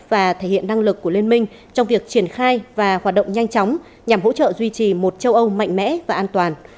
và thể hiện năng lực của liên minh trong việc triển khai và hoạt động nhanh chóng nhằm hỗ trợ duy trì một châu âu mạnh mẽ và an toàn